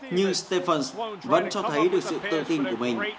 như stephens vẫn cho thấy được sự tự tin của mình